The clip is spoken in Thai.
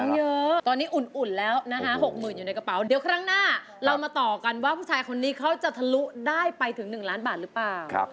เยอะตอนนี้อุ่นแล้วนะคะ๖๐๐๐อยู่ในกระเป๋าเดี๋ยวครั้งหน้าเรามาต่อกันว่าผู้ชายคนนี้เขาจะทะลุได้ไปถึง๑ล้านบาทหรือเปล่า